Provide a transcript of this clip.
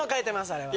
あれは。